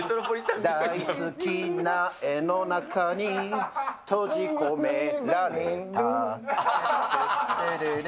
大好きな絵の中に閉じ込められた。